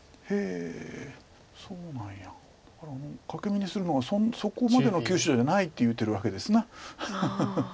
欠け眼にするのがそこまでの急所じゃないって言うてるわけです。